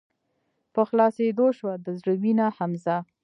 په خلاصيدو شــوه د زړه وينه حمزه